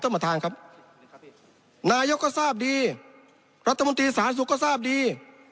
ต้นมาทางครับนายก็ทราบดีรัฐมนตรีสารสุขก็ทราบดี